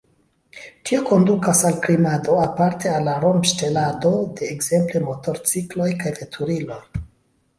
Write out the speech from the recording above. Tio kondukas al krimado, aparte al rompŝtelado de ekzemple motorcikloj kaj veturiloj.